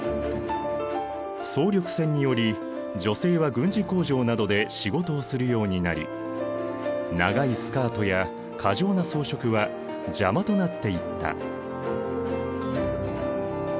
総力戦により女性は軍事工場などで仕事をするようになり長いスカートや過剰な装飾は邪魔となっていった。